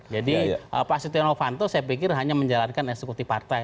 jadi pak setia novanto saya pikir hanya menjalankan eksekutif partai